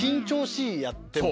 やって昔。